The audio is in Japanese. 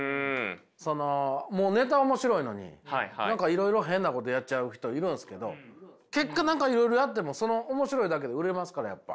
そのネタは面白いのに何かいろいろ変なことやっちゃう人いるんですけど結果いろいろやっても面白いだけで売れますからやっぱ。